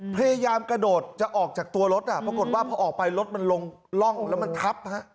พยายามกระโดดจะออกจากตัวรถปรากฏว่าพอออกไปรถมันลงร่องแล้วมันทับ